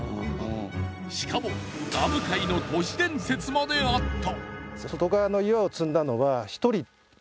しかもダム界の都市伝説まであった。